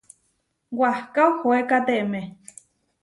Wahká ohóekateme.